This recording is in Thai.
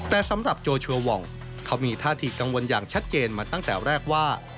แต่สำหรับโจชัวร์วองเขามีท่าทีกังวลอย่างชัดเจนมาตั้งแต่แรกว่า